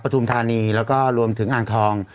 ทุมธานีแล้วก็รวมถึงอ่างทอง